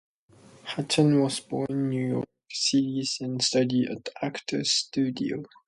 Hutton was born in New York City and studied at the Actors Studio.